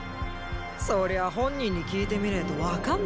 そりゃァ本人に聞いてみねェと分かんねェだろ。